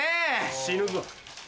死ぬぞ。